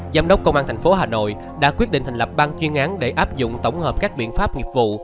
giám đốc công an thành phố hà nội đã quyết định thành lập ban chuyên án để áp dụng tổng hợp các biện pháp nghiệp vụ